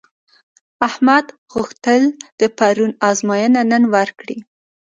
احمد غوښتل د پرون ازموینه نن ورکړي.